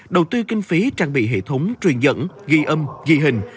đầu tư kinh phí trang bị hệ thống truyền dẫn ghi âm ghi hình